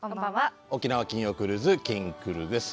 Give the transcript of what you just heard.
「沖縄金曜クルーズきんくる」です。